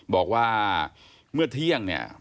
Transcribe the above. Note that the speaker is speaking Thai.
บอกว่าเมื่อเที่ยงเนี่ย